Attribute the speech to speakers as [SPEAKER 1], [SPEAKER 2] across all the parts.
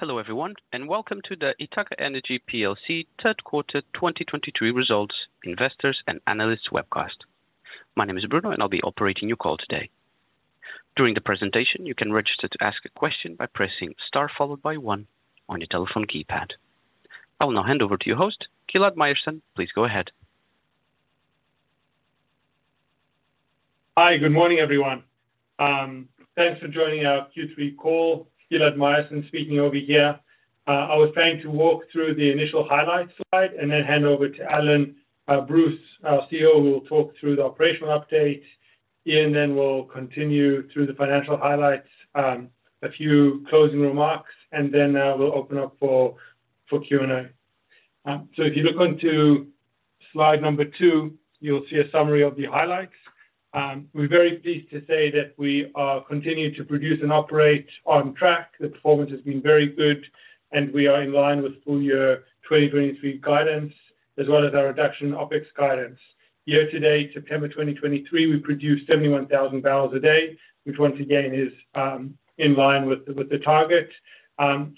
[SPEAKER 1] Hello, everyone, and welcome to the Ithaca Energy plc third quarter 2023 results investors and analysts webcast. My name is Bruno, and I'll be operating your call today. During the presentation, you can register to ask a question by pressing Star followed by one on your telephone keypad. I will now hand over to your host, Gilad Myerson. Please go ahead.
[SPEAKER 2] Hi. Good morning, everyone. Thanks for joining our Q3 call. Gilad Myerson speaking over here. I was going to walk through the initial highlights slide and then hand over to Alan Bruce, our CEO, who will talk through the operational update. Iain will continue through the financial highlights. A few closing remarks, and then we'll open up for Q&A. So if you look onto slide number 2, you'll see a summary of the highlights. We're very pleased to say that we are continuing to produce and operate on track. The performance has been very good, and we are in line with full year 2023 guidance, as well as our reduction OpEx guidance. Year to date, September 2023, we produced 71,000 barrels a day, which once again is in line with the target.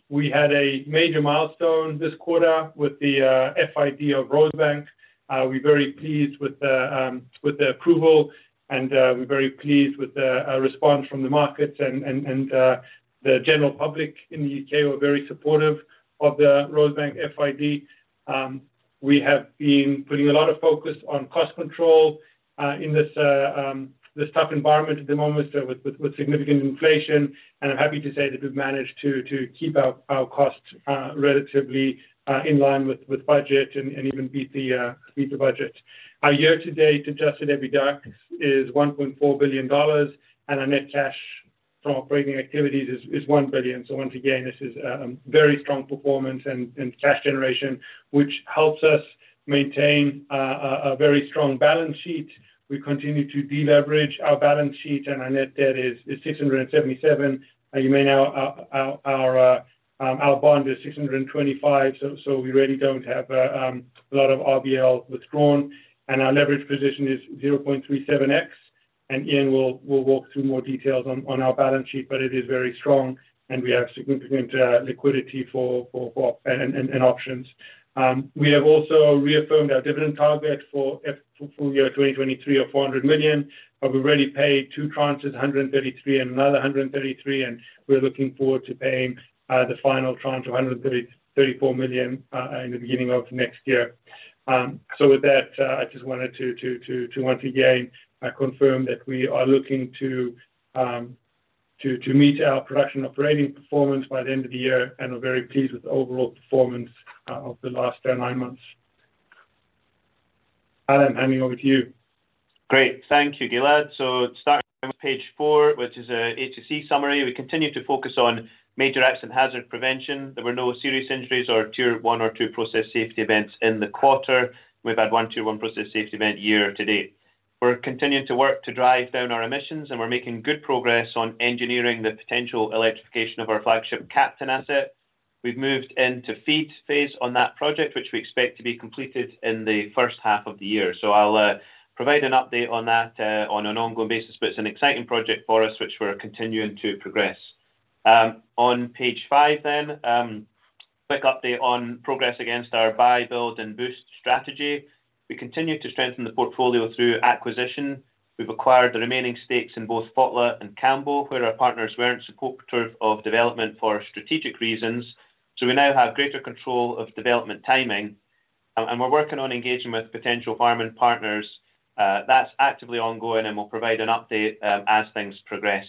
[SPEAKER 2] We had a major milestone this quarter with the FID of Rosebank. We're very pleased with the approval, and we're very pleased with the response from the markets and the general public in the U.K. were very supportive of the Rosebank FID. We have been putting a lot of focus on cost control in this tough environment at the moment with significant inflation. I'm happy to say that we've managed to keep our costs relatively in line with budget and even beat the budget. Our year-to-date adjusted EBITDA is $1.4 billion, and our net cash from operating activities is $1 billion. Once again, this is a very strong performance and cash generation, which helps us maintain a very strong balance sheet. We continue to deleverage our balance sheet, and our net debt is $677. You may know our bond is $625, so we really don't have a lot of RBL withdrawn, and our leverage position is 0.37x. Iain will walk through more details on our balance sheet, but it is very strong, and we have significant liquidity for and options. We have also reaffirmed our dividend target for full year 2023 of $400 million, but we've already paid two tranches, $133 million and another $133 million, and we're looking forward to paying the final tranche of $134 million in the beginning of next year. So with that, I just wanted to once again confirm that we are looking to meet our production operating performance by the end of the year, and are very pleased with the overall performance of the last nine months. Alan, handing over to you.
[SPEAKER 3] Great. Thank you, Gilad. So starting on page 4, which is a HSE summary, we continue to focus on major accident hazard prevention. There were no serious injuries or Tier 1 or 2 process safety events in the quarter. We've had one Tier 1 process safety event year to date. We're continuing to work to drive down our emissions, and we're making good progress on engineering the potential electrification of our flagship Captain asset. We've moved into FEED phase on that project, which we expect to be completed in the first half of the year. So I'll provide an update on that on an ongoing basis, but it's an exciting project for us, which we're continuing to progress. On page five then, quick update on progress against our Buy, Build, and Boost strategy. We continue to strengthen the portfolio through acquisition. We've acquired the remaining stakes in both Foinaven and Cambo, where our partners weren't supportive of development for strategic reasons. So we now have greater control of development timing, and we're working on engaging with potential farm and partners. That's actively ongoing, and we'll provide an update as things progress.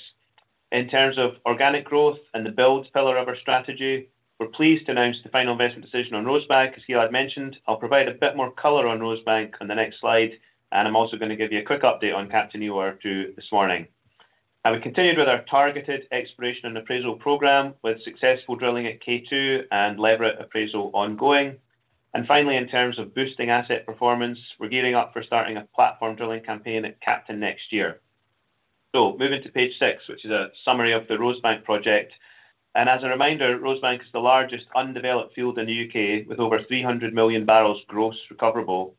[SPEAKER 3] In terms of organic growth and the builds pillar of our strategy, we're pleased to announce the final investment decision on Rosebank, as Gilad mentioned. I'll provide a bit more color on Rosebank on the next slide, and I'm also going to give you a quick update on Captain EOR-2 this morning. We continued with our targeted exploration and appraisal program, with successful drilling at K2 and Leveret appraisal ongoing. Finally, in terms of boosting asset performance, we're gearing up for starting a platform drilling campaign at Captain next year. Moving to page six, which is a summary of the Rosebank project, and as a reminder, Rosebank is the largest undeveloped field in the U.K., with over 300 million barrels gross recoverable.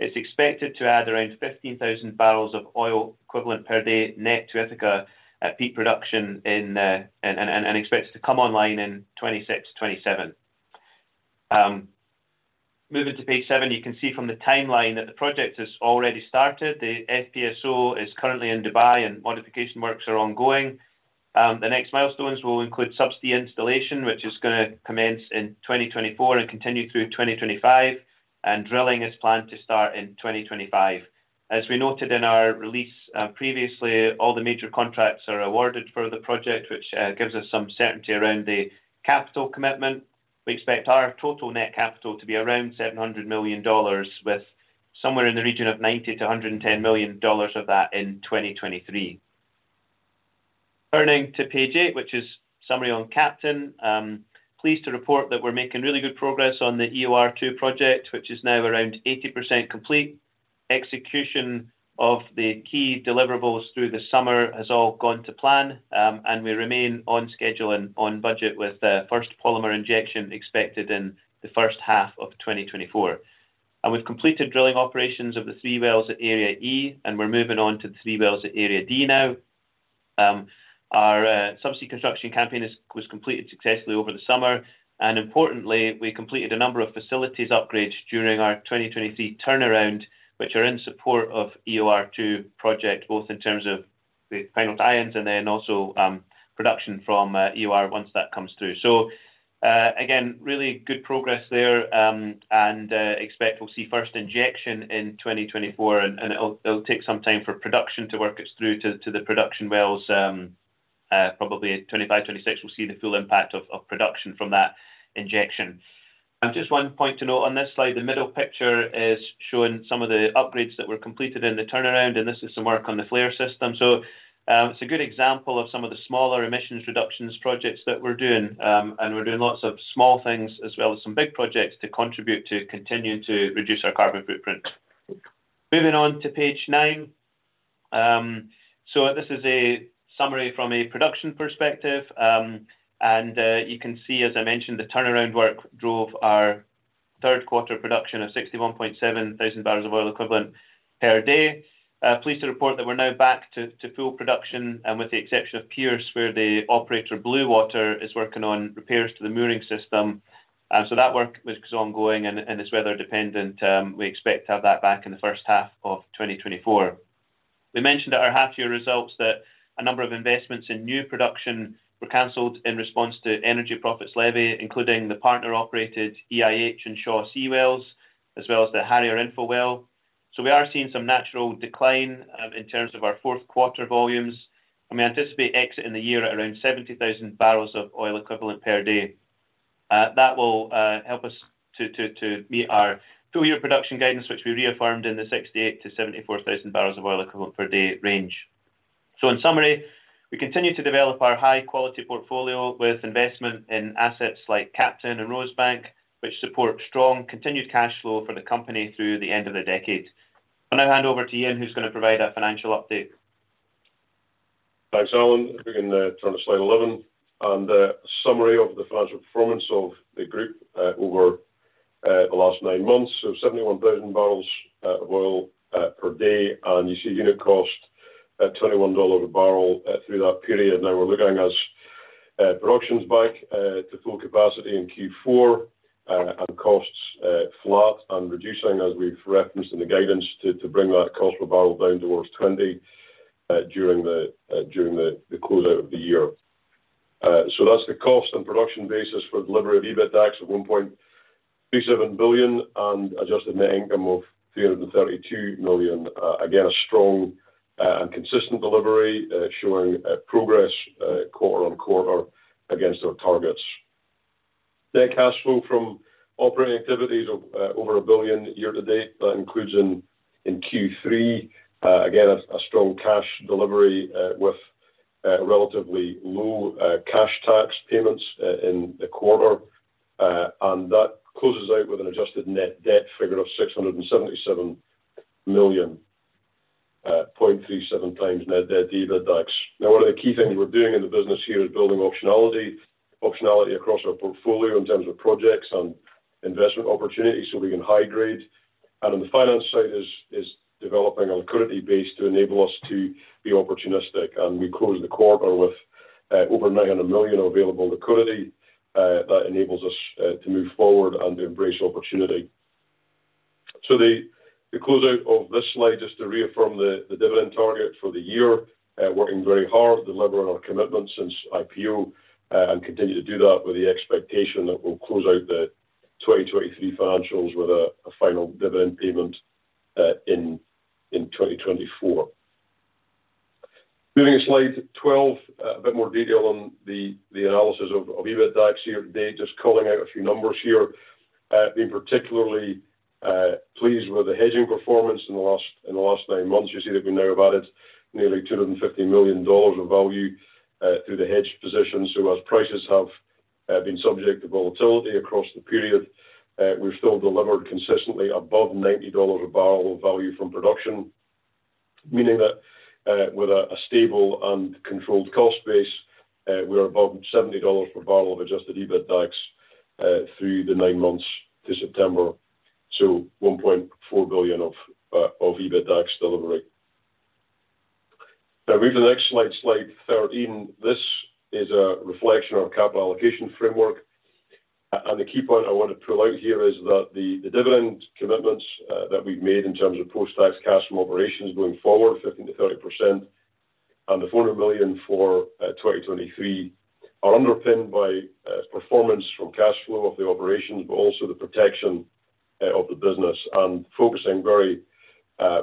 [SPEAKER 3] It's expected to add around 15,000 barrels of oil equivalent per day net to Ithaca at peak production and expects to come online in 2026-2027. Moving to page seven, you can see from the timeline that the project has already started. The FPSO is currently in Dubai, and modification works are ongoing. The next milestones will include subsea installation, which is gonna commence in 2024 and continue through 2025, and drilling is planned to start in 2025. As we noted in our release previously, all the major contracts are awarded for the project, which gives us some certainty around the capital commitment. We expect our total net capital to be around $700 million, with somewhere in the region of $90 million-$110 million of that in 2023. Turning to page eight, which is summary on Captain. Pleased to report that we're making really good progress on the EOR-2 project, which is now around 80% complete. Execution of the key deliverables through the summer has all gone to plan, and we remain on schedule and on budget, with the first polymer injection expected in the first half of 2024. And we've completed drilling operations of the three wells at Area E, and we're moving on to the three wells at Area D now. Our subsea construction campaign was completed successfully over the summer, and importantly, we completed a number of facilities upgrades during our 2023 turnaround, which are in support of EOR-2 project, both in terms of the final tie-ins and then also production from EOR once that comes through. So, again, really good progress there, and expect we'll see first injection in 2024, and it'll take some time for production to work us through to the production wells. Probably 2025, 2026, we'll see the full impact of production from that injection. And just one point to note on this slide, the middle picture is showing some of the upgrades that were completed in the turnaround, and this is some work on the flare system. It's a good example of some of the smaller emissions reductions projects that we're doing, and we're doing lots of small things as well as some big projects to contribute to continue to reduce our carbon footprint. Moving on to page nine. This is a summary from a production perspective, and you can see, as I mentioned, the turnaround work drove our third quarter production of 6,170 barrels of oil equivalent per day. Pleased to report that we're now back to full production, and with the exception of Pierce, where the operator, Bluewater, is working on repairs to the mooring system. So that work is ongoing and it's weather-dependent. We expect to have that back in the first half of 2024. We mentioned at our half-year results that a number of investments in new production were canceled in response to Energy Profits Levy, including the partner-operated EIH and Shaw C wells, as well as the Harrier infill well. So we are seeing some natural decline in terms of our fourth quarter volumes, and we anticipate exiting the year at around 70,000 barrels of oil equivalent per day. That will help us to meet our full year production guidance, which we reaffirmed in the 68,000-74,000 barrels of oil equivalent per day range. So in summary, we continue to develop our high-quality portfolio with investment in assets like Captain and Rosebank, which support strong continued cash flow for the company through the end of the decade. I'll now hand over to Iain, who's going to provide a financial update.
[SPEAKER 4] Thanks, Alan. We can turn to slide 11. A summary of the financial performance of the group over the last nine months, so 71,000 barrels of oil per day, and you see unit cost at $21 a barrel through that period. Now we're looking, as production's back to full capacity in Q4, and costs flat and reducing, as we've referenced in the guidance, to bring that cost per barrel down towards 20 during the closeout of the year. So that's the cost and production basis for delivery of EBITDAX of $1.37 billion and adjusted net income of $332 million. Again, a strong and consistent delivery showing progress quarter-over-quarter against our targets. Net cash flow from operating activities of over $1 billion year to date. That includes in Q3 again a strong cash delivery with relatively low cash tax payments in the quarter. And that closes out with an adjusted net debt figure of $677 million, 0.37 times net debt to EBITDAX. Now, one of the key things we're doing in the business here is building optionality, optionality across our portfolio in terms of projects and investment opportunities so we can hydrate. And on the finance side is developing a liquidity base to enable us to be opportunistic, and we close the quarter with over $900 million available liquidity. That enables us to move forward and embrace opportunity. So, to close out this slide, just to reaffirm the dividend target for the year, working very hard, delivering on our commitment since IPO, and continue to do that with the expectation that we'll close out the 2023 financials with a final dividend payment in 2024. Moving to slide 12, a bit more detail on the analysis of EBITDAX year to date, just calling out a few numbers here. Been particularly pleased with the hedging performance in the last nine months. You see that we now have added nearly $250 million of value through the hedge positions. So as prices have been subject to volatility across the period, we've still delivered consistently above $90 a barrel of value from production, meaning that with a stable and controlled cost base, we are above $70 per barrel of adjusted EBITDAX through the nine months to September. So $1.4 billion of EBITDAX delivery. Now over to the next slide, slide 13. This is a reflection of capital allocation framework, and the key point I want to pull out here is that the dividend commitments that we've made in terms of post-tax cash from operations going forward, 15%-30%, and the $400 million for 2023, are underpinned by performance from cash flow of the operations, but also the protection of the business and focusing very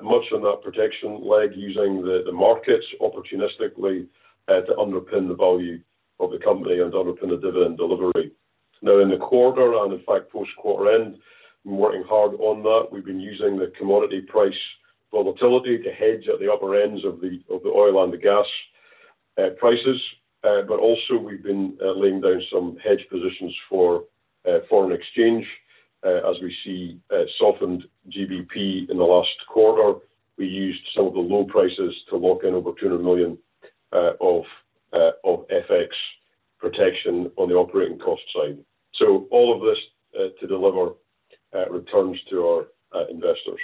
[SPEAKER 4] much on that protection leg, using the markets opportunistically to underpin the value of the company and underpin the dividend delivery. Now, in the quarter, and in fact, post-quarter end, we're working hard on that. We've been using the commodity price volatility to hedge at the upper ends of the oil and the gas prices, but also we've been laying down some hedge positions for foreign exchange. As we see softened GBP in the last quarter, we used some of the low prices to lock in over $200 million of FX protection on the operating cost side. So all of this to deliver returns to our investors.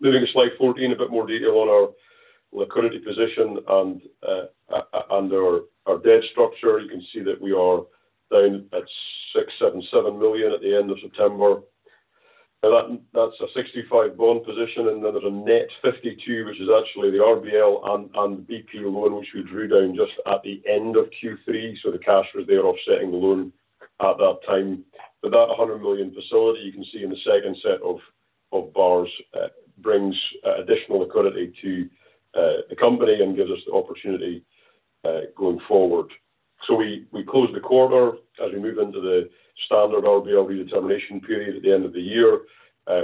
[SPEAKER 4] Moving to slide 14, a bit more detail on our liquidity position and our debt structure. You can see that we are down at $677 million at the end of September. And that, that's a $65 million bond position, and then there's a net $52 million, which is actually the RBL and BP loan, which we drew down just at the end of Q3, so the cash was there offsetting the loan at that time. That $100 million facility you can see in the second set of bars brings additional liquidity to the company and gives us the opportunity going forward. We closed the quarter as we move into the standard RBL redetermination period at the end of the year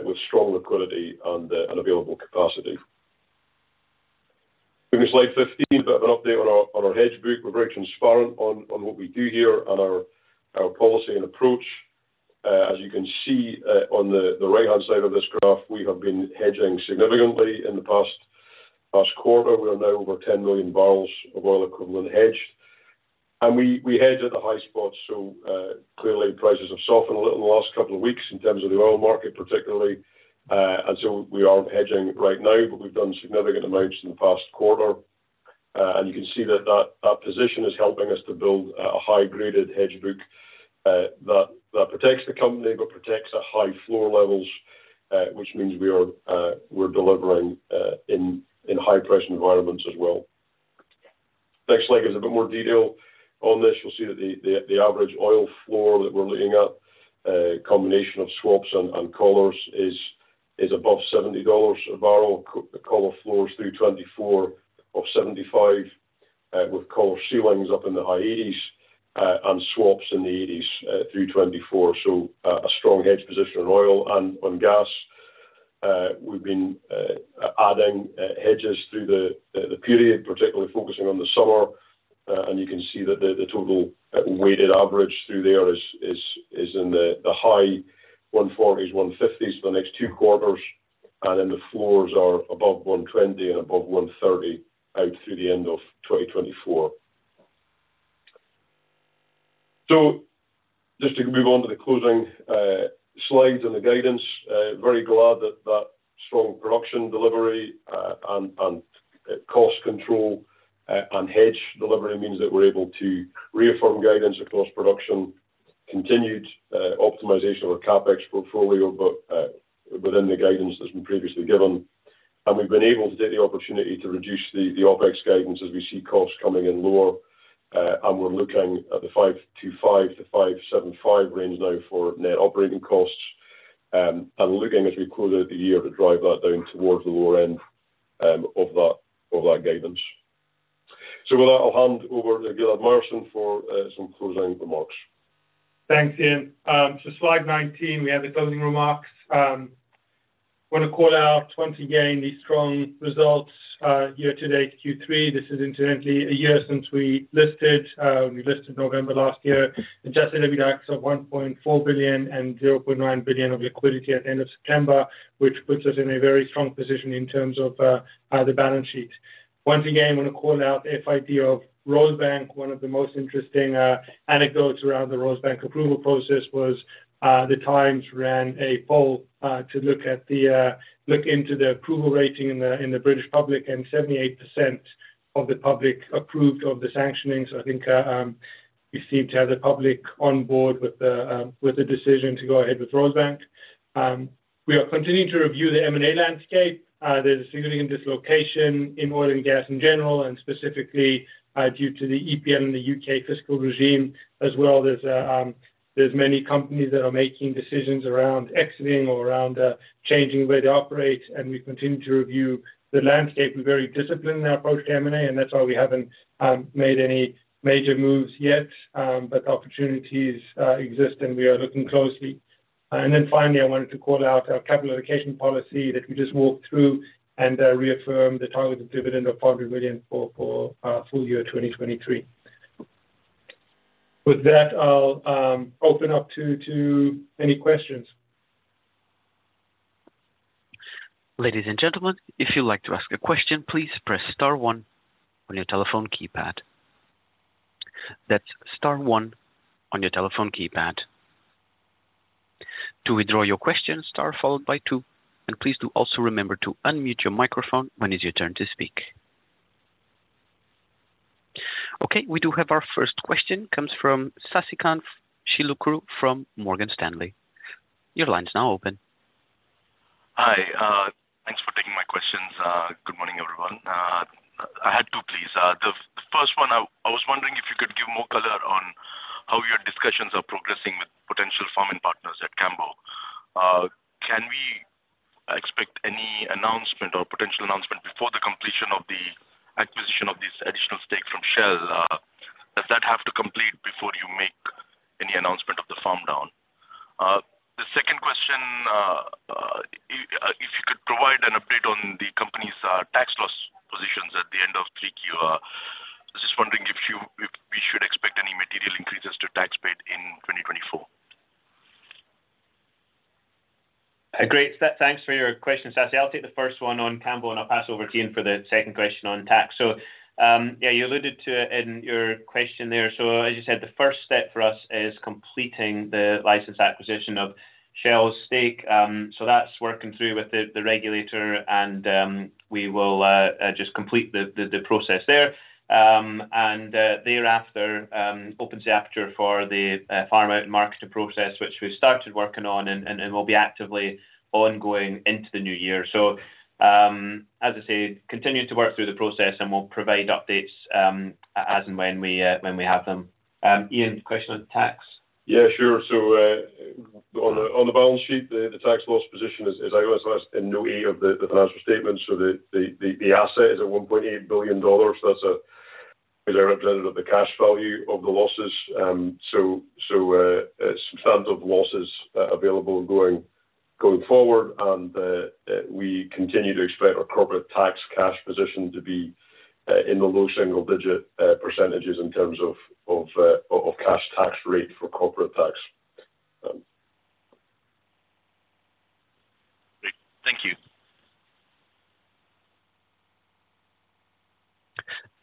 [SPEAKER 4] with strong liquidity and available capacity. Moving to slide 15, a bit of an update on our hedge book. We're very transparent on what we do here and our policy and approach. As you can see on the right-hand side of this graph, we have been hedging significantly in the past quarter. We are now over 10 million barrels of oil equivalent hedged. We hedge at the high spot, so clearly prices have softened a little in the last couple of weeks in terms of the oil market, particularly. And so we aren't hedging right now, but we've done significant amounts in the past quarter. And you can see that position is helping us to build a high-graded hedge book that protects the company, but protects at high floor levels, which means we are delivering in high-pressure environments as well. Next slide gives a bit more detail on this. You'll see that the average oil floor that we're looking at, a combination of swaps and collars is above $70 a barrel. See, the collar floor is $3.24 or $75, with collar ceilings up in the high 80s, and swaps in the 80s, through 2024. So, a strong hedge position on oil and on gas. We've been adding hedges through the period, particularly focusing on the summer. And you can see that the total weighted average through there is in the high 140s-150s for the next two quarters, and then the floors are above $120 and above $130 out through the end of 2024. So just to move on to the closing slides and the guidance, very glad that that strong production delivery, and cost control, and hedge delivery means that we're able to reaffirm guidance across production, continued optimization of our CapEx portfolio, but within the guidance that's been previously given. We've been able to take the opportunity to reduce the OpEx guidance as we see costs coming in lower. We're looking at the $525-$575 range now for net operating costs. Looking as we close out the year to drive that down towards the lower end of that guidance. So with that, I'll hand over to Gilad Myerson for some closing remarks.
[SPEAKER 2] Thanks, Iain. So slide 19, we have the closing remarks. Want to call out once again these strong results year to date, Q3. This is incidentally a year since we listed. We listed November last year. Adjusted EBITDA of $1.4 billion and $0.9 billion of liquidity at the end of September, which puts us in a very strong position in terms of the balance sheet. Once again, I want to call out FID of Rosebank. One of the most interesting anecdotes around the Rosebank approval process was the Times ran a poll to look into the approval rating in the British public, and 78% of the public approved of the sanctioning. So I think, we seem to have the public on board with the, with the decision to go ahead with Rosebank. We are continuing to review the M&A landscape. There's significant dislocation in oil and gas in general, and specifically, due to the EPL and the U.K. fiscal regime as well. There's many companies that are making decisions around exiting or around, changing the way they operate, and we continue to review the landscape. We're very disciplined in our approach to M&A, and that's why we haven't, made any major moves yet. But opportunities, exist, and we are looking closely. And then finally, I wanted to call out our capital allocation policy that we just walked through and, reaffirm the targeted dividend of $40 million for full year 2023. With that, I'll open up to any questions.
[SPEAKER 1] Ladies and gentlemen, if you'd like to ask a question, please press star one on your telephone keypad. That's star one on your telephone keypad. To withdraw your question, star followed by two, and please do also remember to unmute your microphone when it's your turn to speak. Okay, we do have our first question. Comes from Sasikanth Chilukuru from Morgan Stanley. Your line is now open.
[SPEAKER 5] Hi. Thanks for taking my questions. Good morning, everyone. I had two, please. The first one, I was wondering if you could give more color on how your discussions are progressing with potential farming partners at Cambo. Can we expect any announcement or potential announcement before the completion of the acquisition of this additional stake from Shell? Does that have to complete before you make any announcement of the farm down? The second question, if you could provide an update on the company's tax loss positions at the end of 3Q. I was just wondering if we should expect any-...
[SPEAKER 3] Great. Thanks for your question, Sassy. I'll take the first one on Cambo, and I'll pass over to Iain for the second question on tax. So, yeah, you alluded to it in your question there. So as you said, the first step for us is completing the license acquisition of Shell's stake. So that's working through with the regulator, and we will just complete the process there. And thereafter, opens the aperture for the farm out and marketing process, which we've started working on and will be actively ongoing into the new year. So, as I said, continuing to work through the process, and we'll provide updates, as and when we have them. Iain, question on tax?
[SPEAKER 4] Yeah, sure. So, on the balance sheet, the tax loss position is obviously in no way of the financial statements. So, the asset is at $1.8 billion. That's, as I represented, the cash value of the losses. So, substantial losses available going forward. And, we continue to expect our corporate tax cash position to be in the low single-digit percentages in terms of cash tax rate for corporate tax.
[SPEAKER 6] Great. Thank you.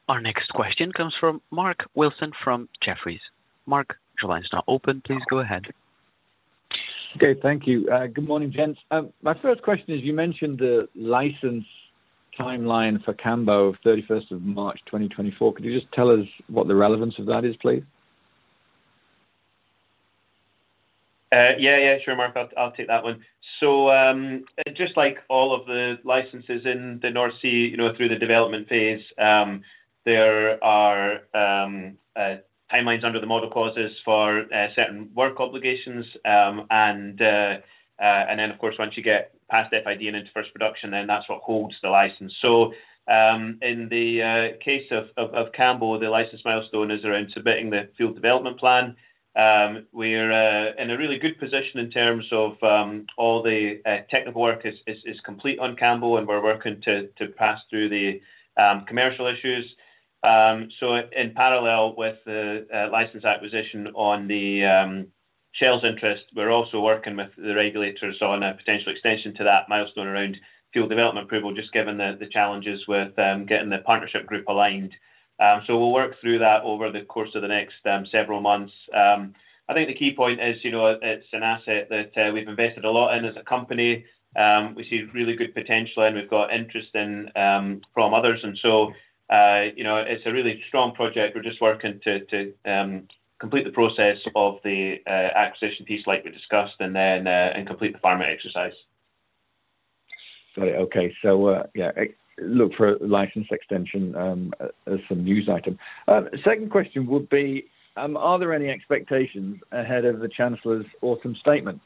[SPEAKER 1] Our next question comes from Mark Wilson, from Jefferies. Mark, your line is now open. Please go ahead.
[SPEAKER 7] Okay. Thank you. Good morning, gents. My first question is, you mentioned the license timeline for Cambo, thirty-first of March twenty twenty-four. Could you just tell us what the relevance of that is, please?
[SPEAKER 3] Yeah, yeah. Sure, Mark. I'll take that one. So, just like all of the licenses in the North Sea, you know, through the development phase, there are timelines under the model clauses for certain work obligations. And then, of course, once you get past FID and into first production, then that's what holds the license. So, in the case of Cambo, the license milestone is around submitting the field development plan. We're in a really good position in terms of all the technical work is complete on Cambo, and we're working to pass through the commercial issues. So in parallel with the license acquisition on the Shell's interest, we're also working with the regulators on a potential extension to that milestone around field development approval, just given the challenges with getting the partnership group aligned. So we'll work through that over the course of the next several months. I think the key point is, you know, it's an asset that we've invested a lot in as a company. We see really good potential, and we've got interest from others, and so, you know, it's a really strong project. We're just working to complete the process of the acquisition piece, like we discussed, and then and complete the farm exercise.
[SPEAKER 7] Great. Okay. So, yeah, look for a license extension as some news item. Second question would be, are there any expectations ahead of the Chancellor's Autumn Statement?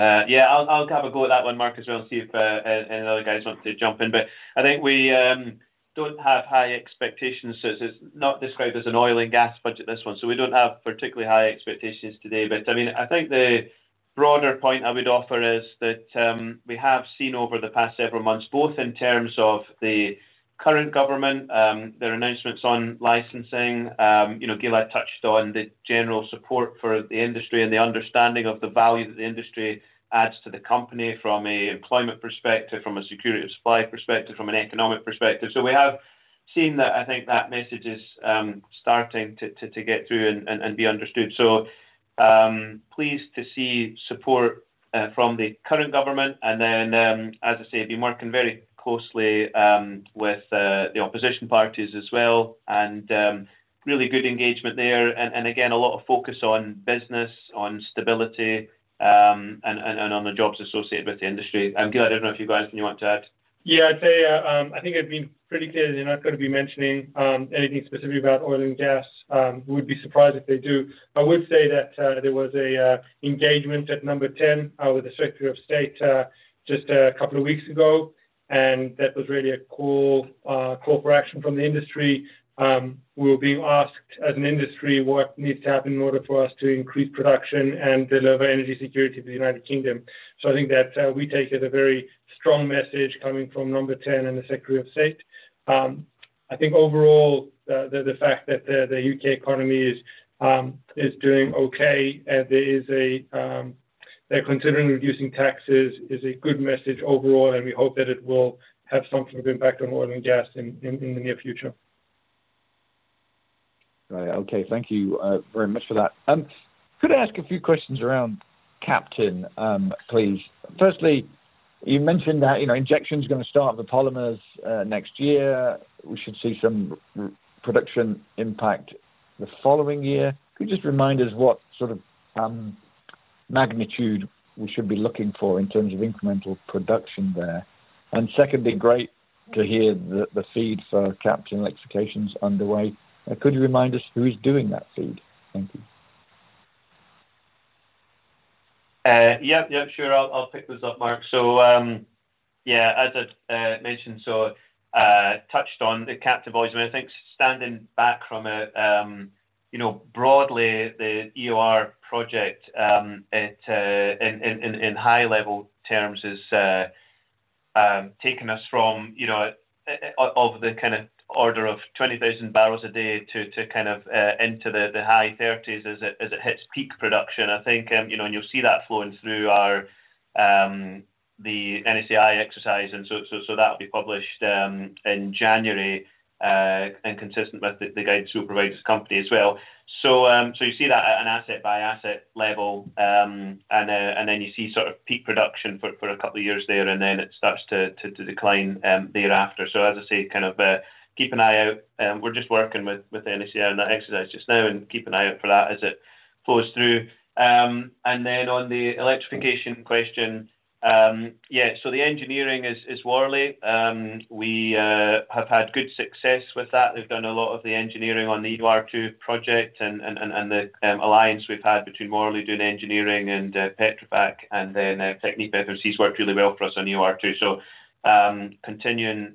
[SPEAKER 3] Yeah, I'll have a go at that one, Mark, as well, and see if any other guys want to jump in. But I think we don't have high expectations, so it's not described as an oil and gas budget, this one, so we don't have particularly high expectations today. But I mean, I think the broader point I would offer is that we have seen over the past several months, both in terms of the current government, their announcements on licensing. You know, Gilad touched on the general support for the industry and the understanding of the value that the industry adds to the company from a employment perspective, from a security of supply perspective, from an economic perspective. So we have seen that. I think that message is starting to get through and be understood. So, pleased to see support from the current government, and then, as I say, be working very closely with the opposition parties as well, and really good engagement there. And again, a lot of focus on business, on stability, and on the jobs associated with the industry. Gilad, I don't know if you've got anything you want to add.
[SPEAKER 2] Yeah, I'd say, I think I've been pretty clear they're not gonna be mentioning, anything specific about oil and gas. We'd be surprised if they do. I would say that, there was an engagement at Number Ten, with the Secretary of State, just a couple of weeks ago, and that was really a call for action from the industry. We're being asked, as an industry, what needs to happen in order for us to increase production and deliver energy security to the United Kingdom. So I think that, we take it as a very strong message coming from Number Ten and the Secretary of State. I think overall, the fact that the U.K. economy is doing okay, and there is a... They're considering reducing taxes, is a good message overall, and we hope that it will have some sort of impact on oil and gas in the near future.
[SPEAKER 7] Right. Okay. Thank you very much for that. Could I ask a few questions around Captain, please? Firstly, you mentioned that, you know, injection is gonna start the polymers next year. We should see some production impact the following year. Could you just remind us what sort of magnitude we should be looking for in terms of incremental production there? And secondly, great to hear the feed for Captain electrification is underway. Could you remind us who is doing that feed? Thank you.
[SPEAKER 3] Yeah, yeah, sure. I'll pick this up, Mark. So, yeah, as I mentioned, so touched on the Captain volume. I think standing back from it, you know, broadly, the EOR project, it in high-level terms is taken us from, you know, of the kind of order of 20,000 barrels a day to kind of into the high 30s as it hits peak production. I think, you know, and you'll see that flowing through our the NSTA exercise, and so that will be published in January, and consistent with the guide supervisor's company as well. So you see that at an asset-by-asset level, and then you see sort of peak production for a couple of years there, and then it starts to decline thereafter. So as I say, kind of, keep an eye out. We're just working with the NSTA on that exercise just now, and keep an eye out for that as it flows through. And then on the electrification question, yeah, so the engineering is Worley. We have had good success with that. They've done a lot of the engineering on the EOR-2 project and the alliance we've had between Worley doing engineering and Petrofac, and then technical efficiency worked really well for us on EOR-2. So, continuing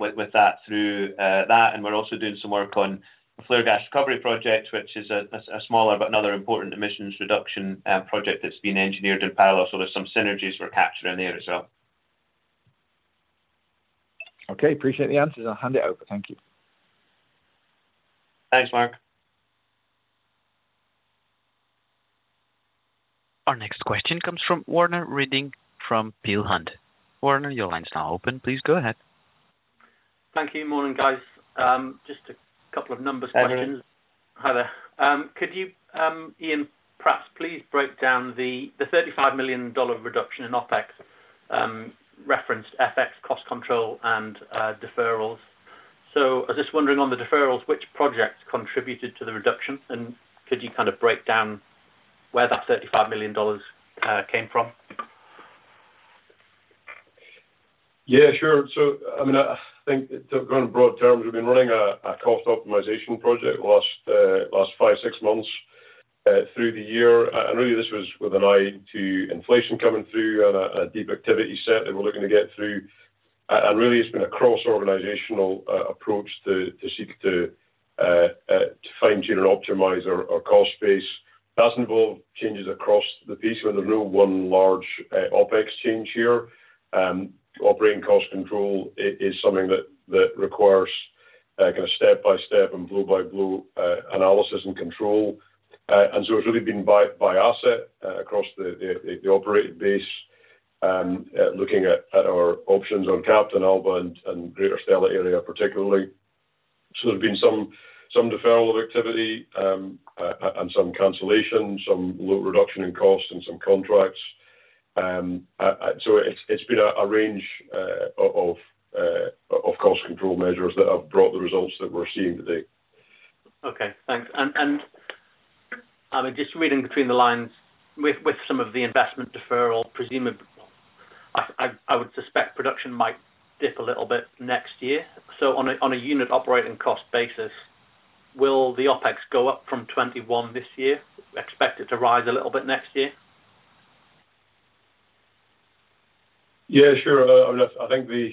[SPEAKER 3] with that through that, and we're also doing some work on a flare gas recovery project, which is a smaller but another important emissions reduction project that's being engineered in parallel. So there's some synergies we're capturing there as well.
[SPEAKER 8] Okay, appreciate the answers. I'll hand it over. Thank you.
[SPEAKER 3] Thanks, Mark.
[SPEAKER 1] Our next question comes from Werner Riding from Peel Hunt. Werner, your line is now open. Please go ahead.
[SPEAKER 9] Thank you. Morning, guys. Just a couple of numbers questions.
[SPEAKER 3] Hi, there.
[SPEAKER 9] Hi, there. Could you, Iain, perhaps please break down the $35 million reduction in OpEx, referenced FX cost control and deferrals? So I'm just wondering on the deferrals, which project contributed to the reduction, and could you kind of break down where that $35 million came from?
[SPEAKER 4] Yeah, sure. So, I mean, I think to go in broad terms, we've been running a cost optimization project last 5-6 months through the year. And really, this was with an eye to inflation coming through and a deep activity set that we're looking to get through. And really, it's been a cross-organizational approach to seek to fine-tune and optimize our cost base. That's involved changes across the piece. There's no one large OpEx change here. Operating cost control is something that requires kind of step-by-step and line-by-line analysis and control. And so it's really been by asset across the operating base, looking at our options on Captain, Alba, and Greater Stella Area, particularly. So there have been some deferral of activity, and some cancellation, some load reduction in cost and some contracts. So it's been a range of cost control measures that have brought the results that we're seeing today.
[SPEAKER 9] Okay, thanks. And I mean, just reading between the lines, with some of the investment deferral, presumably, I would suspect production might dip a little bit next year. So on a unit operating cost basis, will the OpEx go up from $21 this year? Expect it to rise a little bit next year?
[SPEAKER 4] Yeah, sure. I think the,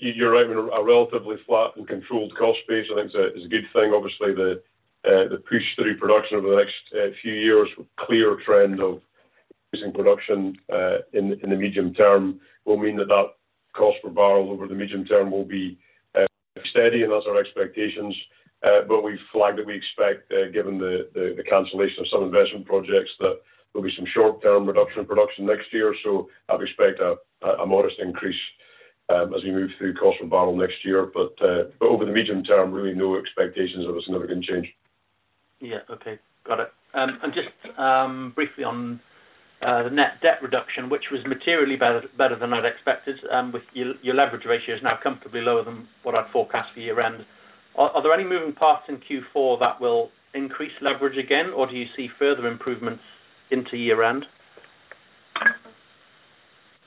[SPEAKER 4] you're right, with a relatively flat and controlled cost base, I think that is a good thing. Obviously, the, the push through production over the next, few years, with clear trend of increasing production, in the, in the medium term, will mean that that cost per barrel over the medium term will be, steady, and that's our expectations. But we flagged that we expect, given the, the, the cancellation of some investment projects, that there'll be some short-term reduction in production next year. So I'd expect a, a modest increase, as we move through cost per barrel next year. But, but over the medium term, really no expectations of a significant change.
[SPEAKER 9] Yeah. Okay, got it. And just briefly on the Net Debt reduction, which was materially better than I'd expected, with your leverage ratio now comfortably lower than what I'd forecast for year-end. Are there any moving parts in Q4 that will increase leverage again, or do you see further improvements into year-end?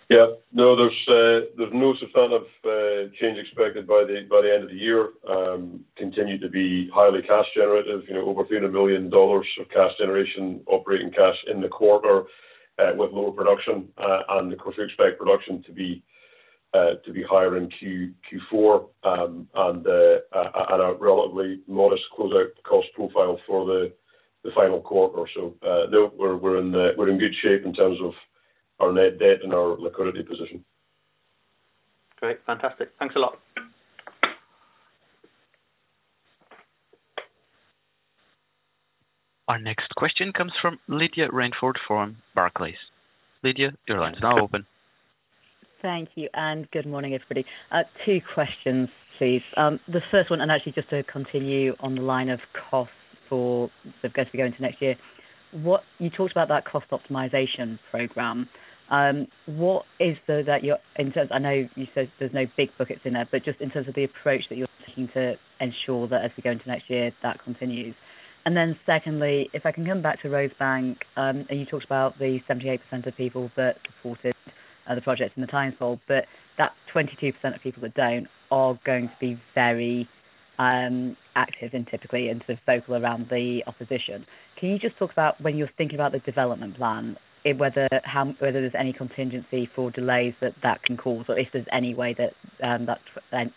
[SPEAKER 4] Yeah. No, there's no substantive change expected by the end of the year. Continue to be highly cash generative, you know, over $300 million of cash generation, operating cash in the quarter, with lower production. And of course, we expect production to be higher in Q4, and a relatively modest closeout cost profile for the final quarter. So, though we're in good shape in terms of our net debt and our liquidity position.
[SPEAKER 9] Great. Fantastic. Thanks a lot.
[SPEAKER 1] Our next question comes from Lydia Rainforth from Barclays. Lydia, your line is now open.
[SPEAKER 10] Thank you, and good morning, everybody. Two questions, please. The first one, and actually just to continue on the line of cost for the guys to go into next year, what. You talked about that cost optimization program. What is that you're in terms, I know you said there's no big buckets in there, but just in terms of the approach that you're looking to ensure that as we go into next year, that continues. And then secondly, if I can come back to Rosebank, and you talked about the 78% of people that supported the project in the Times poll, but that 22% of people that don't are going to be very active and typically, and sort of vocal around the opposition. Can you just talk about when you're thinking about the development plan, if whether there's any contingency for delays that can cause, or if there's any way that the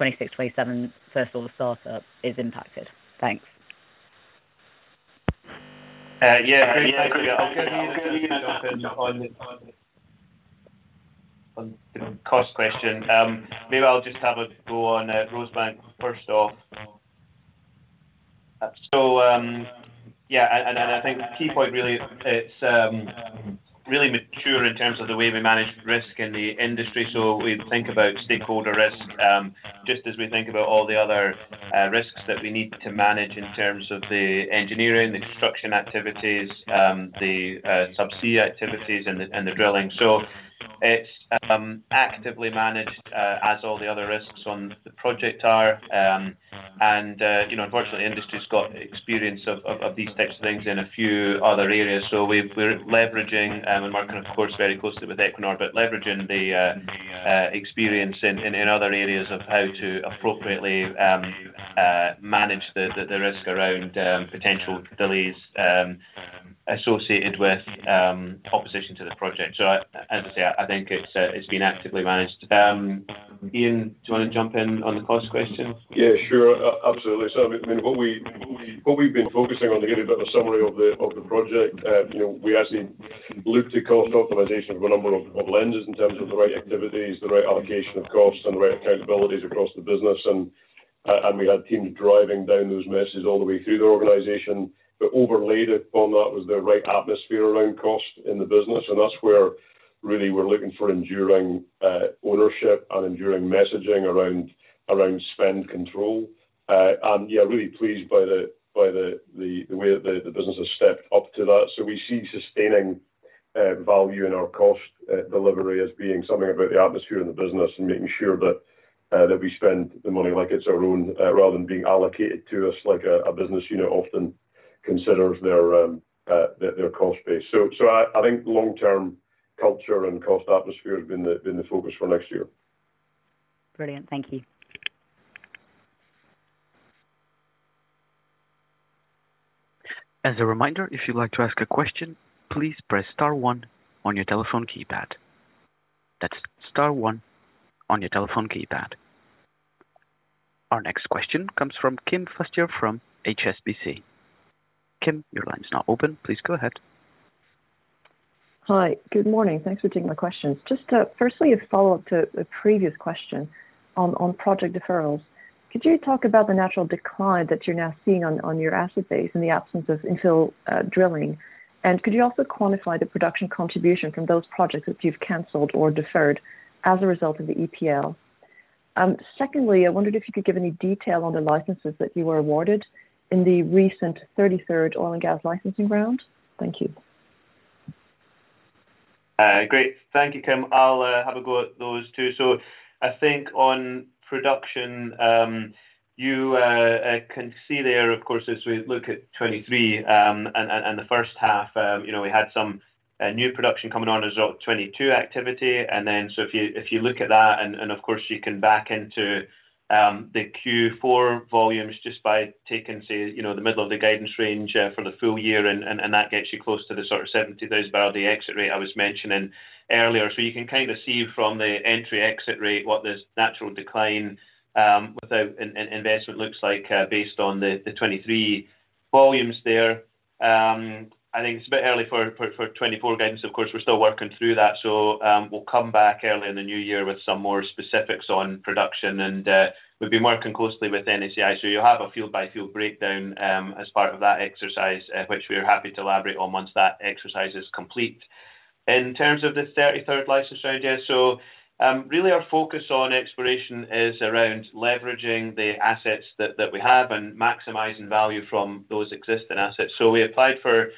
[SPEAKER 10] 2026-2027 first oil startup is impacted? Thanks.
[SPEAKER 3] Yeah, yeah, I'll jump in on the cost question. Maybe I'll just have a go on Rosebank, first off. So, yeah, and I think the key point really, it's really mature in terms of the way we manage risk in the industry. So we think about stakeholder risk, just as we think about all the other risks that we need to manage in terms of the engineering, the construction activities, the subsea activities and the drilling. So it's actively managed, as all the other risks on the project are. And, you know, unfortunately, industry's got experience of these types of things in a few other areas, so we're leveraging and working, of course, very closely with Equinor, but leveraging the experience in other areas of how to appropriately manage the risk around potential delays associated with opposition to the project. So, as I say, I think it's being actively managed. Ian, do you want to jump in on the cost question?
[SPEAKER 4] Yeah, sure. Absolutely. So, I mean, what we've been focusing on, to give you a bit of a summary of the project, you know, we actually looked at cost optimization from a number of lenses in terms of the right activities, the right allocation of costs, and the right accountabilities across the business, and we had teams driving down those messages all the way through the organization. But overlaid upon that was the right atmosphere around cost in the business, and that's where really we're looking for enduring ownership and enduring messaging around spend control. And yeah, really pleased by the way that the business has stepped up to that. So we see sustaining value in our cost delivery as being something about the atmosphere in the business and making sure that we spend the money like it's our own, rather than being allocated to us, like a business unit often considers their cost base. So I think long-term culture and cost atmosphere has been the focus for next year.
[SPEAKER 10] Brilliant. Thank you.
[SPEAKER 1] As a reminder, if you'd like to ask a question, please press star one on your telephone keypad. That's star one on your telephone keypad. Our next question comes from Kim Fustier from HSBC. Kim, your line is now open. Please go ahead.
[SPEAKER 11] Hi. Good morning. Thanks for taking my questions. Just, firstly, a follow-up to a previous question on, on project deferrals. Could you talk about the natural decline that you're now seeing on, on your asset base in the absence of infill, drilling? And could you also quantify the production contribution from those projects that you've canceled or deferred as a result of the EPL? Secondly, I wondered if you could give any detail on the licenses that you were awarded in the recent 33rd oil and gas licensing round. Thank you.
[SPEAKER 3] Great. Thank you, Kim. I'll have a go at those two. So I think on production, you can see there, of course, as we look at 2023 and the first half, you know, we had some new production coming on as a result of 2022 activity. And then, so if you look at that, and of course, you can back into the Q4 volumes just by taking, say, you know, the middle of the guidance range for the full year, and that gets you close to the sort of 70,000 barrel, the exit rate I was mentioning earlier. So you can kind of see from the entry, exit rate what this natural decline without investment looks like, based on the 2023 volumes there. I think it's a bit early for 2024 guidance. Of course, we're still working through that, so we'll come back early in the new year with some more specifics on production, and we've been working closely with NSTA. So you'll have a field-by-field breakdown as part of that exercise, which we are happy to elaborate on once that exercise is complete. In terms of the 33rd licensing round, so really our focus on exploration is around leveraging the assets that we have and maximizing value from those existing assets. So we applied for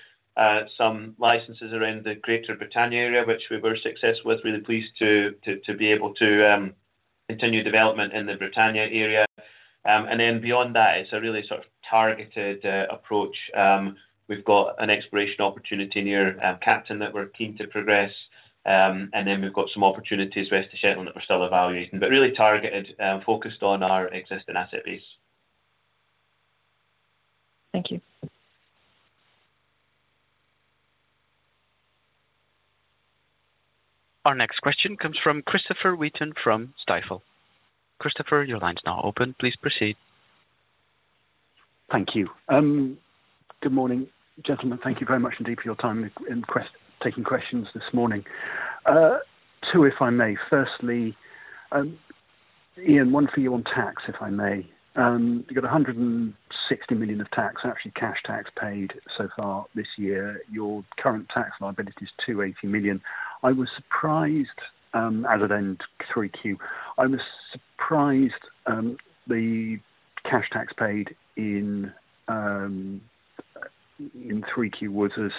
[SPEAKER 3] some licenses around the greater Britannia area, which we were successful with. Really pleased to be able to continue development in the Britannia area. And then beyond that, it's a really sort of targeted approach. We've got an exploration opportunity near Captain that we're keen to progress. And then we've got some opportunities West of Shetland that we're still evaluating, but really targeted, focused on our existing asset base.
[SPEAKER 11] Thank you.
[SPEAKER 1] Our next question comes from Christopher Wheaton from Stifel. Christopher, your line is now open. Please proceed.
[SPEAKER 6] Thank you. Good morning, gentlemen. Thank you very much indeed for your time taking questions this morning. Two, if I may. Firstly, Iain, one for you on tax, if I may. You got 160 million of tax, actually cash tax paid so far this year. Your current tax liability is 280 million. I was surprised, as of end 3Q, I was surprised, the cash tax paid in, in 3Q was as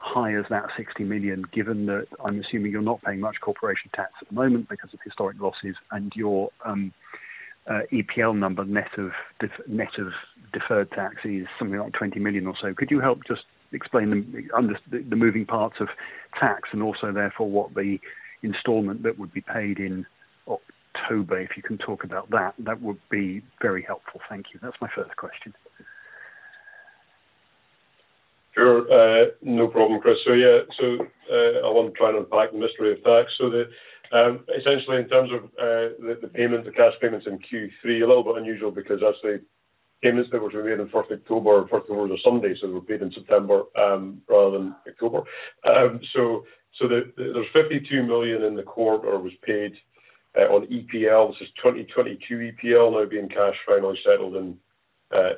[SPEAKER 6] high as that 60 million, given that I'm assuming you're not paying much corporation tax at the moment because of historic losses and your, EPL number, net of deferred tax, is something like 20 million or so. Could you help just explain under the moving parts of tax and also, therefore, what the installment that would be paid in October? If you can talk about that, that would be very helpful. Thank you. That's my first question.
[SPEAKER 4] Sure. No problem, Chris. So, yeah, so, I want to try and unpack the mystery of tax. So the, essentially, in terms of, the, the payment, the cash payments in Q3, a little bit unusual because actually payments that were due in 1 October. 1 October was a Sunday, so they were paid in September, rather than October. So, so the there's 52 million in the quarter was paid, on EPL. This is 2022 EPL now being cash finally settled in,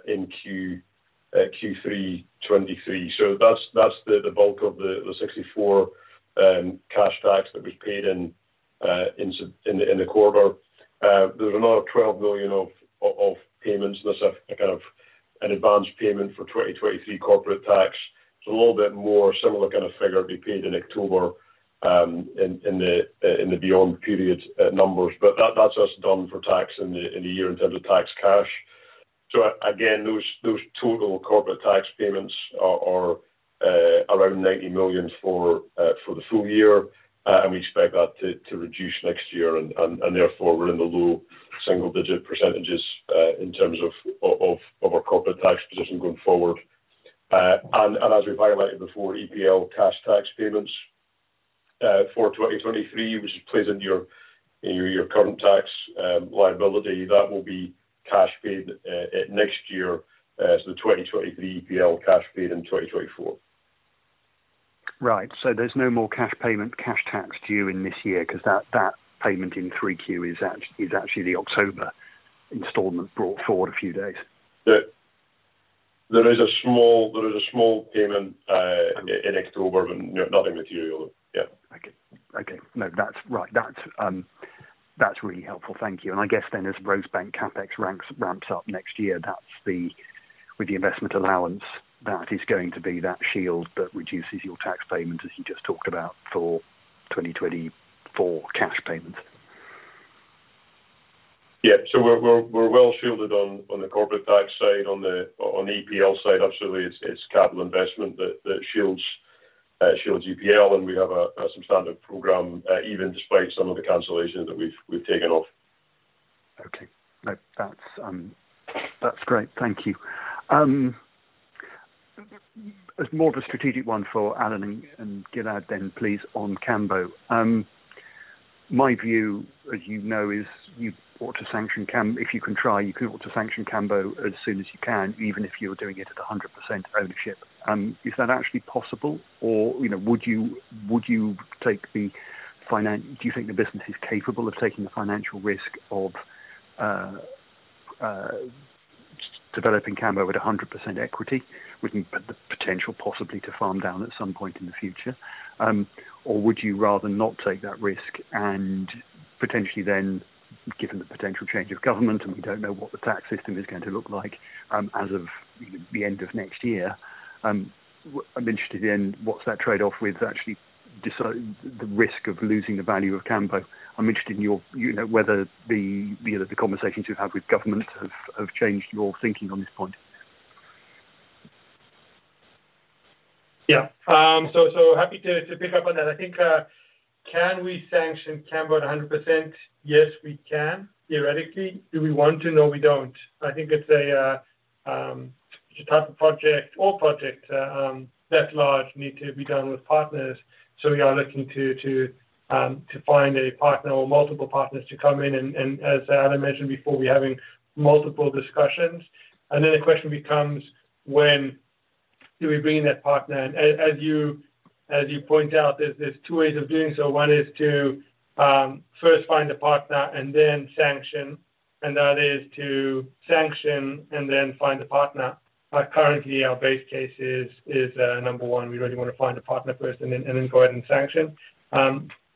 [SPEAKER 4] in Q3 2023. So that's, that's the, the bulk of the, the 64 million, cash tax that was paid in, in the, in the quarter. There's another 12 million of, of, payments, and that's a, a kind of an advanced payment for 2023 corporate tax. It's a little bit more similar kind of figure will be paid in October, in the beyond period, numbers. But that's us done for tax in the year in terms of tax cash. So again, those total corporate tax payments are around 90 million for the full year, and we expect that to reduce next year, and therefore, we're in the low single-digit % in terms of our corporate tax position going forward. And as we've highlighted before, EPL cash tax payments for 2023, which plays into your current tax liability, that will be cash paid at next year. So the 2023 EPL cash paid in 2024.
[SPEAKER 6] Right. So there's no more cash payment, cash tax due in this year because that payment in three Q is actually the October installment brought forward a few days?
[SPEAKER 4] There is a small payment in October, but nothing material. Yeah.
[SPEAKER 6] Okay. Okay. No, that's right. That's really helpful. Thank you. And I guess then, as Rosebank CapEx ramps up next year, that's the... With the investment allowance, that is going to be that shield that reduces your tax payment, as you just talked about, for 2024 cash payments.
[SPEAKER 4] Yeah. So we're well shielded on the corporate tax side. On the EPL side, absolutely, it's capital investment that shields EPL, and we have a substantial program, even despite some of the cancellations that we've taken off.
[SPEAKER 6] Okay. No, that's, that's great. Thank you. More of a strategic one for Alan and, and Gilad then please, on Cambo. My view, as you know, is you ought to sanction Cambo. If you can try, you ought to sanction Cambo as soon as you can, even if you're doing it at 100% ownership. Is that actually possible, or, you know, would you take the financial - do you think the business is capable of taking the financial risk of developing Cambo at 100% equity, with the potential possibly to farm down at some point in the future? or would you rather not take that risk and potentially then, given the potential change of government, and we don't know what the tax system is going to look like, as of the end of next year, I'm interested in what's that trade-off with actually decide the risk of losing the value of Cambo. I'm interested in your, you know, the conversations you've had with government have, have changed your thinking on this point.
[SPEAKER 2] Yeah. So happy to pick up on that. I think, can we sanction Cambo at 100%? Yes, we can, theoretically. Do we want to? No, we don't. I think it's a, the type of project or project that large need to be done with partners. So we are looking to find a partner or multiple partners to come in, and as Alan mentioned before, we're having multiple discussions. And then the question becomes, when do we bring in that partner? And as you point out, there's two ways of doing so. One is to first find a partner and then sanction, and the other is to sanction and then find a partner. Currently, our base case is number one, we really want to find a partner first and then go ahead and sanction.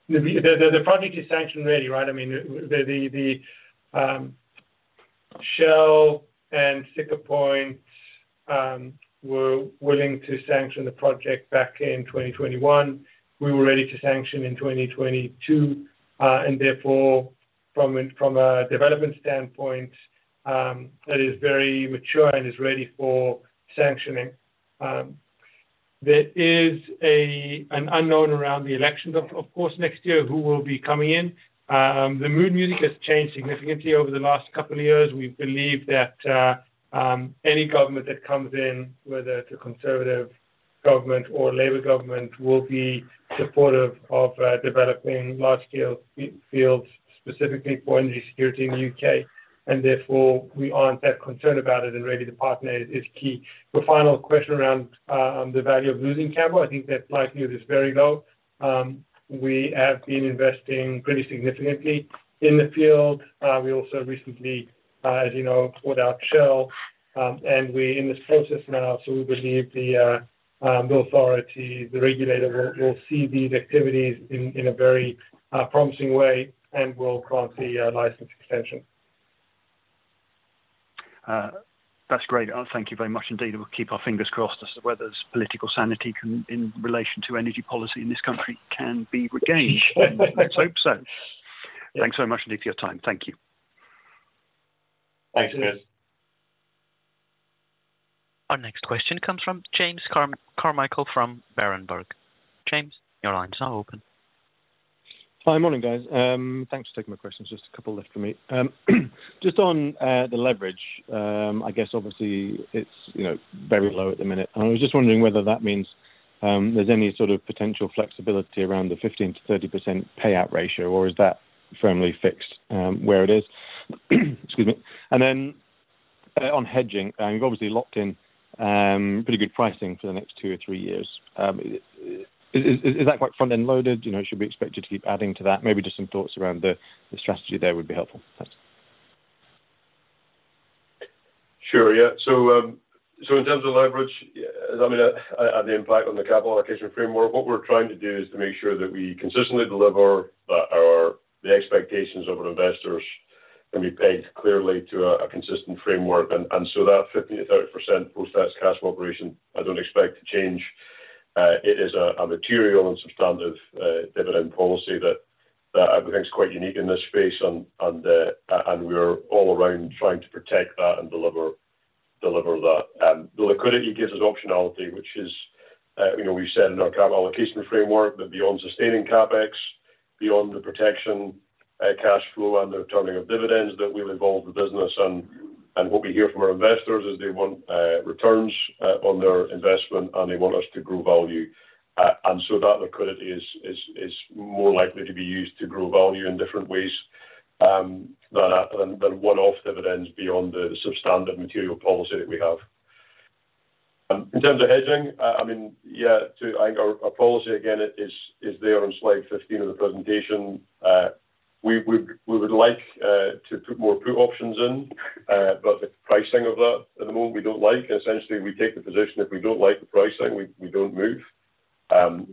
[SPEAKER 2] The project is sanction ready, right? I mean, the Shell and Siccar Point were willing to sanction the project back in 2021. We were ready to sanction in 2022, and therefore, from a development standpoint, that is very mature and is ready for sanctioning. There is an unknown around the elections, of course, next year, who will be coming in. The mood music has changed significantly over the last couple of years. We believe that any government that comes in, whether it's a Conservative government or Labour government, will be supportive of developing large-scale fields specifically for energy security in the UK, and therefore, we aren't that concerned about it, and ready to partner is key. The final question around the value of losing Cambo, I think that likelihood is very low. We have been investing pretty significantly in the field. We also recently, as you know, pulled out Shell, and we're in this process now, so we believe the authority, the regulator, will see these activities in a very promising way and will grant the license extension.
[SPEAKER 6] That's great. Thank you very much indeed. We'll keep our fingers crossed as to whether its political sanity can, in relation to energy policy in this country, be regained. Let's hope so. Thanks so much indeed for your time. Thank you.
[SPEAKER 2] Thanks, Chris.
[SPEAKER 1] Our next question comes from James Carmichael from Berenberg. James, your line is now open.
[SPEAKER 12] Hi. Morning, guys. Thanks for taking my questions. Just a couple left for me. Just on the leverage, I guess obviously it's, you know, very low at the minute, and I was just wondering whether that means there's any sort of potential flexibility around the 15%-30% payout ratio, or is that firmly fixed where it is? Excuse me. And then on hedging, and you've obviously locked in pretty good pricing for the next two or three years. Is that quite front-end loaded? You know, should we expect you to keep adding to that? Maybe just some thoughts around the strategy there would be helpful. Thanks.
[SPEAKER 4] Sure. Yeah. So in terms of leverage, I mean, the impact on the capital allocation framework, what we're trying to do is to make sure that we consistently deliver our expectations of our investors, can be paid clearly to a consistent framework. And so that 50%-30% post-tax cash operation, I don't expect to change. It is a material and substantive dividend policy that I think is quite unique in this space. And we're all around trying to protect that and deliver that. The liquidity gives us optionality, which is, you know, we've said in our capital allocation framework that beyond sustaining CapEx, beyond the protection, cash flow and the returning of dividends, that we'll evolve the business. What we hear from our investors is they want returns on their investment, and they want us to grow value. And so that liquidity is more likely to be used to grow value in different ways than one-off dividends beyond the standard dividend policy that we have. In terms of hedging, I mean, yeah, I think our policy, again, is there on slide 15 of the presentation. We would like to put more put options in, but the pricing of that at the moment, we don't like. Essentially, we take the position if we don't like the pricing, we don't move.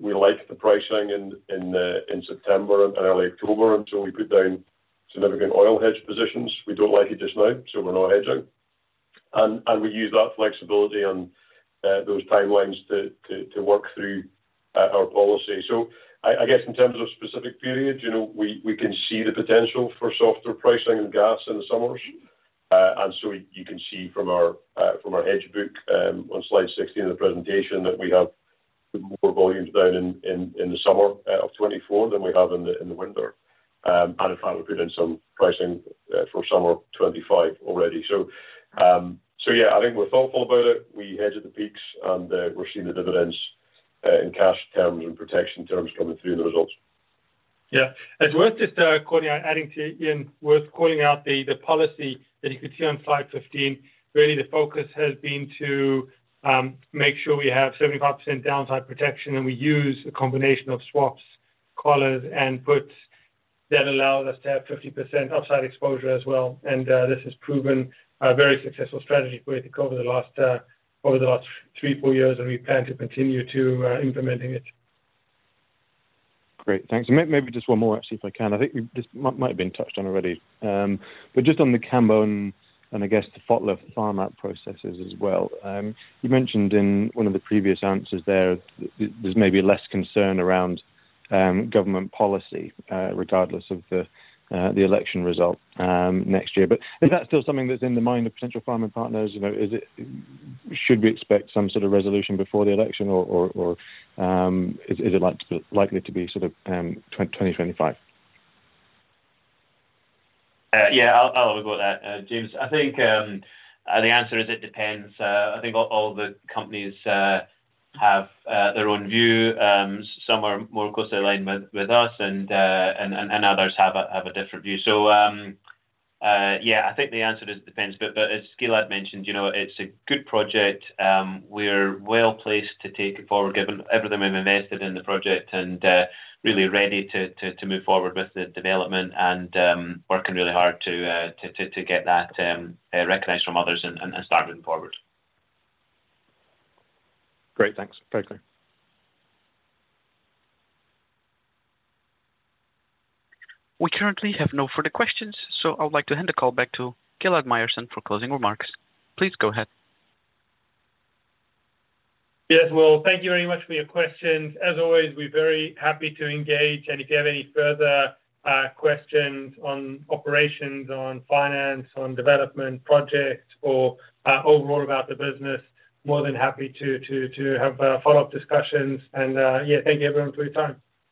[SPEAKER 4] We like the pricing in September and early October, until we put down significant oil hedge positions. We don't like it just now, so we're not hedging. And we use that flexibility and those timelines to work through our policy. So I guess in terms of specific periods, you know, we can see the potential for softer pricing and gas in the summers. And so you can see from our hedge book on slide 16 of the presentation, that we have more volumes down in the summer of 2024 than we have in the winter. And in fact, we've put in some pricing for summer 2025 already. So yeah, I think we're thoughtful about it. We hedge at the peaks, and we're seeing the dividends in cash terms and protection terms coming through in the results.
[SPEAKER 2] Yeah. It's worth just calling out, adding to Ian, worth calling out the policy that you can see on slide 15. Really, the focus has been to make sure we have 75% downside protection, and we use a combination of swaps, collars, and puts that allow us to have 50% upside exposure as well. This has proven a very successful strategy for it over the last 3-4 years, and we plan to continue to implementing it.
[SPEAKER 12] Great, thanks. And maybe just one more, actually, if I can. I think this might have been touched on already. But just on the Cambo and, and I guess the Foinaven farm out processes as well. You mentioned in one of the previous answers there, there's maybe less concern around government policy, regardless of the election result next year. But is that still something that's in the mind of potential farming partners? You know, is it... Should we expect some sort of resolution before the election, or, or, is it like, likely to be sort of 2025?
[SPEAKER 3] Yeah, I'll have a go at that, James. I think the answer is it depends. I think all the companies have their own view. Some are more closely aligned with us and others have a different view. So, yeah, I think the answer is it depends, but as Gilad mentioned, you know, it's a good project. We're well-placed to take it forward, given everything we've invested in the project and really ready to move forward with the development and working really hard to get that recognized from others and start moving forward.
[SPEAKER 12] Great. Thanks. Very clear.
[SPEAKER 1] We currently have no further questions, so I would like to hand the call back to Gilad Myerson for closing remarks. Please go ahead.
[SPEAKER 2] Yes, well, thank you very much for your questions. As always, we're very happy to engage, and if you have any further questions on operations, on finance, on development, projects, or overall about the business, more than happy to have follow-up discussions. And yeah, thank you, everyone, for your time.